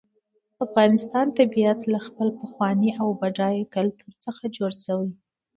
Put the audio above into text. د افغانستان طبیعت له خپل پخواني او بډایه کلتور څخه جوړ شوی دی.